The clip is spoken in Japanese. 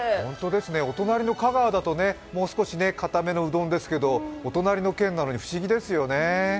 お隣の香川だともう少し硬めのうどんですけどお隣の県なのに不思議ですよね。